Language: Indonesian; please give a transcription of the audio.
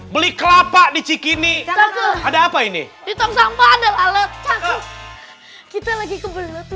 beli kelapa di cikini ada apa ini kita lagi ke